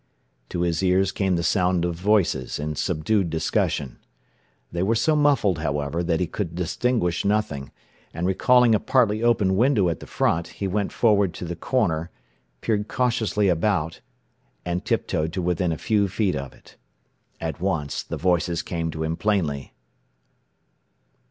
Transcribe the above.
To his ears came the sound of voices in subdued discussion. They were so muffled, however, that he could distinguish nothing, and recalling a partly open window at the front, he went forward to the corner, peered cautiously about, and tiptoed to within a few feet of it. At once the voices came to him plainly.